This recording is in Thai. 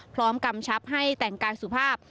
กำชับให้แต่งกายสุภาพ